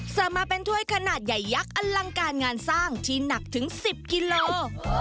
เสิร์ฟมาเป็นถ้วยขนาดใหญ่ยักษ์อลังการงานสร้างที่หนักถึง๑๐กิโล